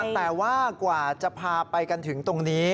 แต่ว่ากว่าจะพาไปกันถึงตรงนี้